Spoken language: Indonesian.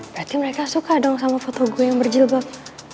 berarti mereka suka dong sama foto gua yang berjilbab